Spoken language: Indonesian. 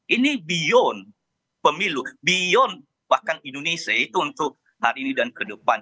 ini beyond pemilu beyond bahkan indonesia itu untuk hari ini dan ke depan